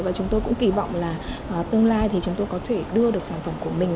và chúng tôi cũng kỳ vọng là tương lai thì chúng tôi có thể đưa được sản phẩm của mình